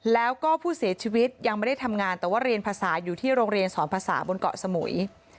แล้วก็ผู้เสียชีวิตยังไม่ได้ทำงานแต่ว่าเรียนภาษาอยู่ที่โรงเรียนสอนภาษาบนเกาะสมุย